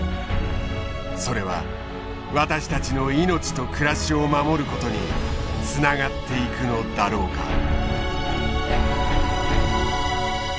それは私たちの命と暮らしを守ることにつながっていくのだろうか。